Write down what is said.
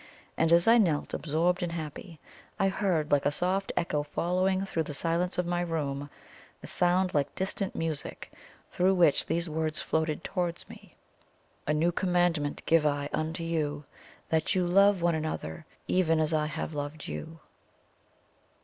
And as I knelt, absorbed and happy, I heard, like a soft echo falling through the silence of my room, a sound like distant music, through which these words floated towards me: "A new commandment give I unto you, that you love one another, even as I have loved you!"